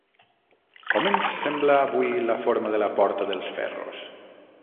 Com ens sembla avui la forma de la Porta dels Ferros?